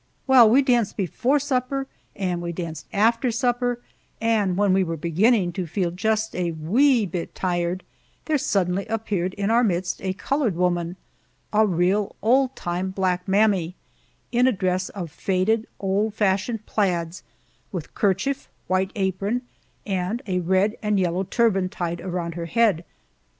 Well, we danced before supper and we danced after supper, and when we were beginning to feel just a wee bit tired, there suddenly appeared in our midst a colored woman a real old time black mammy in a dress of faded, old fashioned plaids, with kerchief, white apron, and a red and yellow turban tied around her head.